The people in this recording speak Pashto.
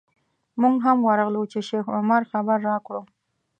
موږ هم ورغلو چې شیخ عمر خبر راکړو.